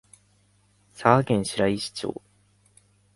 佐賀県白石町